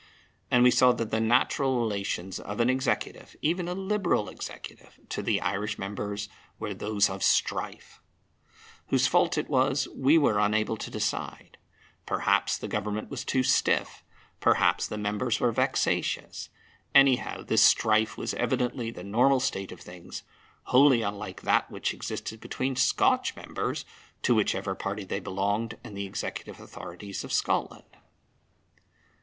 And we saw that the natural relations of an Executive, even a Liberal Executive, to the Irish members were those of strife. Whose fault it was we were unable to decide. Perhaps the Government was too stiff; perhaps the members were vexatious. Anyhow, this strife was evidently the normal state of things, wholly unlike that which existed between Scotch members, to whichever party they belonged, and the executive authorities of Scotland.